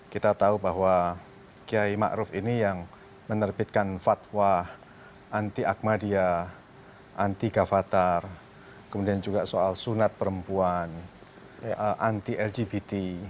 kita tahu bahwa kiai ⁇ maruf ⁇ ini yang menerbitkan fatwa anti ahmadiyah anti gavatar kemudian juga soal sunat perempuan anti lgbt